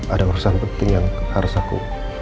ada urusan penting yang harus aku